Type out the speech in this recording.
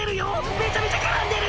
めちゃめちゃ絡んでる！